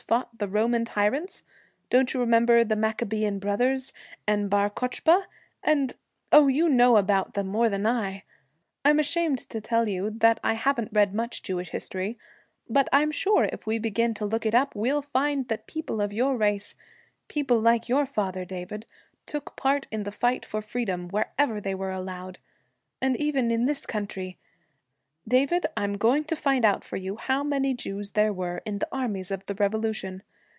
fought the Roman tyrants? Don't you remember the Maccabean brothers, and Bar Kochba, and oh, you know about them more than I! I'm ashamed to tell you that I haven't read much Jewish history, but I'm sure if we begin to look it up, we'll find that people of your race people like your father, David took part in the fight for freedom, wherever they were allowed. And even in this country David, I'm going to find out for you how many Jews there were in the armies of the Revolution.